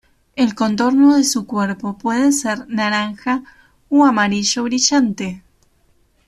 El contorno de su cuerpo puede ser naranja o amarillo brillante.